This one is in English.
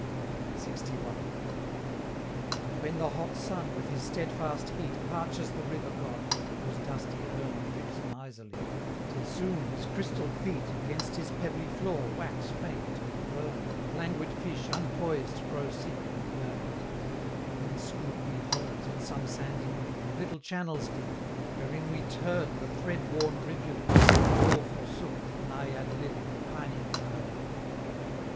LXI. "And when the hot sun with his steadfast heat Parches the river god, whose dusty urn Drips miserly, till soon his crystal feet Against his pebbly floor wax faint and burn And languid fish, unpoised, grow sick and yearn, Then scoop we hollows in some sandy nook, And little channels dig, wherein we turn The thread worn rivulet, that all forsook The Naiad lily, pining for her brook."